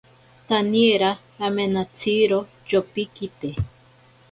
Taniera amenatsiro tyopikite.